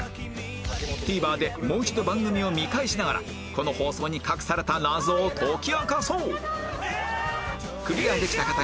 ＴＶｅｒ でもう一度番組を見返しながらこの放送に隠された謎を解き明かそう！